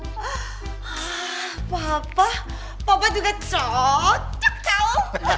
hah papa papa juga cocok jauh